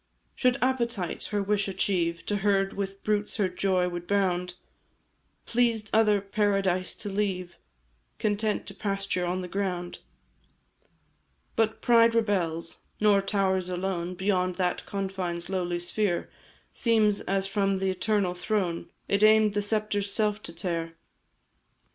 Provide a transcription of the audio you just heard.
"Should appetite her wish achieve, To herd with brutes her joy would bound; Pleased other paradise to leave, Content to pasture on the ground. "But pride rebels, nor towers alone Beyond that confine's lowly sphere Seems as from the Eternal Throne It aim'd the sceptre's self to tear.